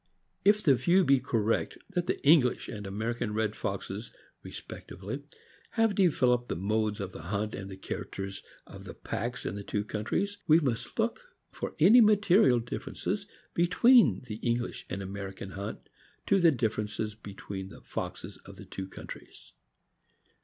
If the view be correct that the English and American red foxes, respectively, have developed the modes of the hunt and the characters of the packs in the two countries, we must look for any material differences between the English and American hunt to the difference between the foxes of the two countries.